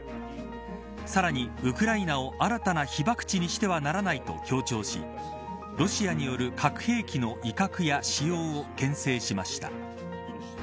さらにウクライナを新たな被爆地にしてはならないと強調しロシアによる核兵器の威嚇や使用をけん制しました。